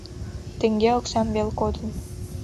Теҥге оксам вел кодын.